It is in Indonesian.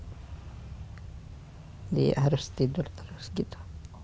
jadi harus tidur terus gitu